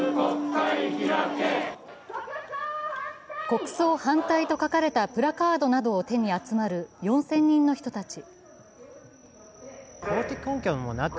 国葬反対と書かれたプラカードなどを手に集まる４０００人の人たち。